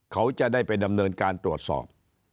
เขาจะได้ไปดำเนินการตรวจสอบ